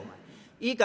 いいか？